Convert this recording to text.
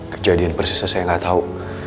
kejadian persisnya saya gak tau